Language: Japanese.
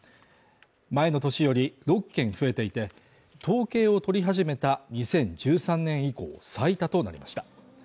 前の年より６件増えていて、統計を取り始めた２０１３年以降、最多となりました。